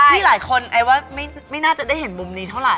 นี่หลายคนไอ้ว่าไม่น่าจะได้เห็นมุมนี้เท่าไห